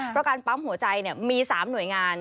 เพราะการปั๊มหัวใจมี๓หน่วยงาน